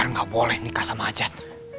r gak boleh nikah sama ajat